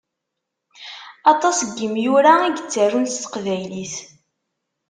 Aṭas n yimura i yettarun s teqbaylit.